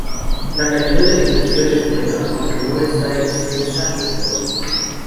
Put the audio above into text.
La calidad de la impresión es buena, aunque no está exenta de errores.